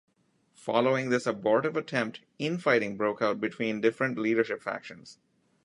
Following this abortive attempt, infighting broke out between different leadership factions.